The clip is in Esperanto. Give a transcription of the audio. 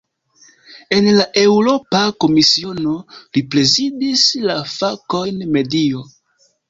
En la Eŭropa Komisiono, li prezidis la fakojn "medio".